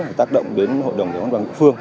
để tác động đến hội đồng hội đồng bằng phương